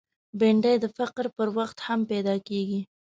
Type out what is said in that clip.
بېنډۍ د فقر پر وخت هم پیدا کېږي